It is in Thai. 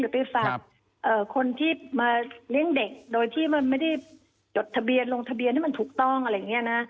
ไปฝากคนที่มาเลี้ยงเด็กโดยที่มันไม่ได้จดทะเบียนลงทะเบียนให้มันถูกต้องอะไรอย่างนี้นะ